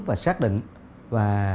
và xác định và